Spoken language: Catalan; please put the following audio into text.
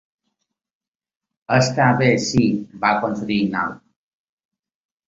Està bé, sí —va concedir l'Alf.